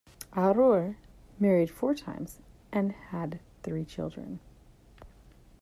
Auer married four times and had three children.